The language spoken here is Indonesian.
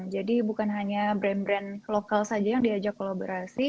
jadi bukan hanya brand brand lokal saja yang diajak kolaborasi